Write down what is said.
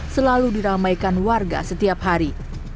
selalu diramaikan warga setiap hari